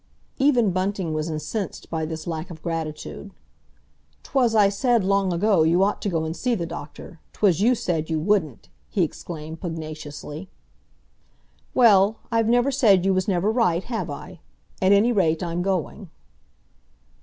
Even Bunting was incensed by this lack of gratitude. "'Twas I said, long ago, you ought to go and see the doctor; 'twas you said you wouldn't!" he exclaimed pugnaciously. "Well, I've never said you was never right, have I? At any rate, I'm going."